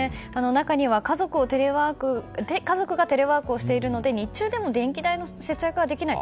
中には、家族がテレワークをしているので日中でも電気代の節約ができない。